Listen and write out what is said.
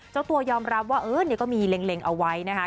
เจ้าตัวยอมรับว่าเออก็มีเล็งเอาไว้นะคะ